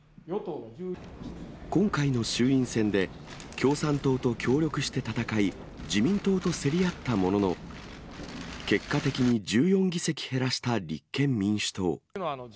今回の衆院選で、共産党と協力して戦い、自民党と競り合ったものの、結果的に１４議席減らした立憲民主党。